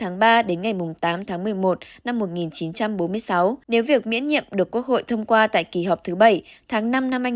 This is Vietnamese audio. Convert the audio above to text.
nếu việc miễn nhiệm được quốc hội thông qua tại kỳ họp thứ bảy tháng năm hai nghìn hai mươi bốn